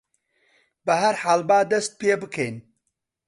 بەهەرحاڵ با دەست پێ بکەین.